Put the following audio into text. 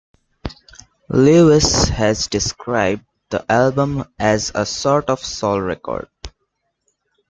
Lewis has described the album as a "sort of soul record".